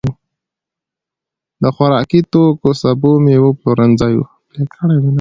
د خوراکتوکو، سبو، مېوو پلورنځي وو.